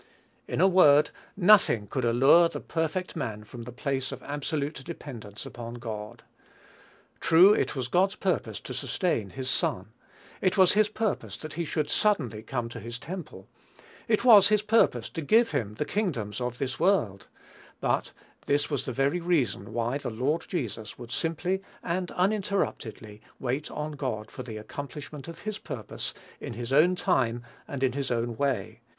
In a word, nothing could allure the perfect man from the place of absolute dependence upon God. True, it was God's purpose to sustain his Son; it was his purpose that he should suddenly come to his temple; it was his purpose to give him the kingdoms of this world; but this was the very reason why the Lord Jesus would simply and uninterruptedly wait on God for the accomplishment of his purpose, in his own time and in his own way.